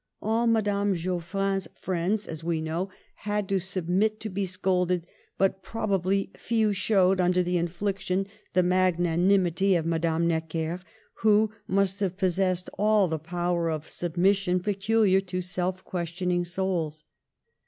All Ma'dame Geof Digitized by VjOOQIC GERMAINE. 1 5 frin's friends, as we know, had to submit to be 'scolded ; but probably few showed under the infliction the magnanimity of Madame Necker, who must have possessed all the power of sub mission peculiar to self questioning souls.